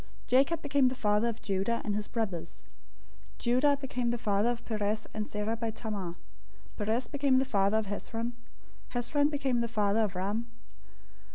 Jacob became the father of Judah and his brothers. 001:003 Judah became the father of Perez and Zerah by Tamar. Perez became the father of Hezron. Hezron became the father of Ram.